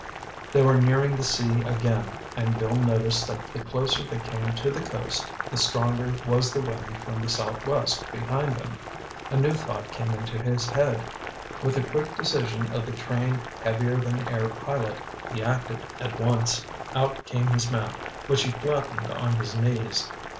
They were nearing the sea again, and Bill noticed that the closer they came to the coast, the stronger was the wind from the southwest behind them. A new thought came into his head. With the quick decision of the trained heavier than air pilot, he acted at once. Out came his map, which he flattened on his knees.